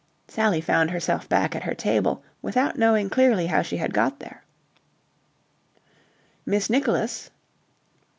Sally found herself back at her table without knowing clearly how she had got there. "Miss Nicholas."